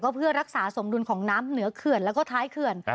เพื่อรักษาสมดุลของน้ำเหนือเขื่อนแล้วก็ท้ายเขื่อน